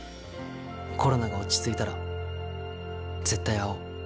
コロナが落ち着いたら絶対会おう。